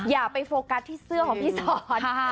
อย่าไปโฟกัสที่เสื้อของพี่สอน